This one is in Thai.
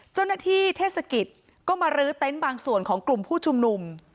เจ้าหน้าที่เทศกิจก็มาลื้อเต็นต์บางส่วนของกลุ่มผู้ชุมนุม